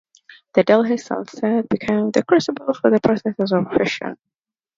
The Delhi Sultanate became the crucible for the processes of this fusion.